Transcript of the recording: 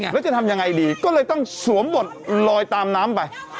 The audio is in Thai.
แล้วจะทำยังไงดีก็เลยต้องสวมบทลอยตามน้ำไป